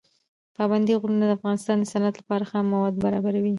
پابندي غرونه د افغانستان د صنعت لپاره خام مواد برابروي.